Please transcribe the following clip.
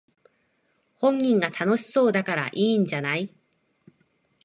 本人が楽しそうだからいいんじゃない